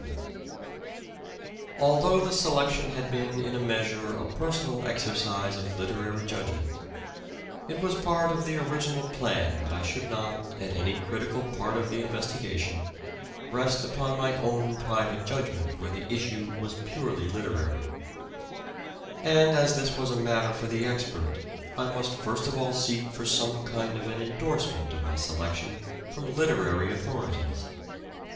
Seeking Although the selection had been in a measure a eXPport personal exercise of literary judgment, it was part of the original plan that I should not, at any critical part of the investigation, rest upon my own private judgment where the issue was purely literary ; and as this was a matter for the expert I must first of all seek for some kind of an endorsement of my selection from literary authorities.